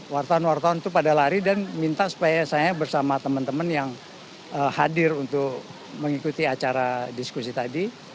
wartawan wartawan itu pada lari dan minta supaya saya bersama teman teman yang hadir untuk mengikuti acara diskusi tadi